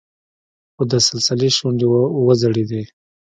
خو د سلسلې شونډې وځړېدې.